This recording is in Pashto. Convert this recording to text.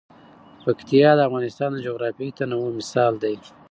پکتیا د افغانستان د جغرافیوي تنوع مثال دی.